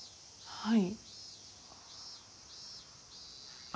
はい。